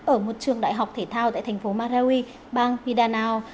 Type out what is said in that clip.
ở một trường đại học thể thao tại thành phố marawi bang pidanao